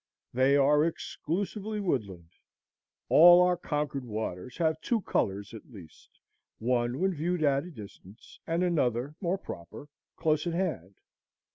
They are exclusively woodland. All our Concord waters have two colors at least; one when viewed at a distance, and another, more proper, close at hand.